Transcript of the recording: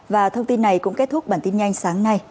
và thông tin này cũng kết thúc bản tin nhanh sáng nay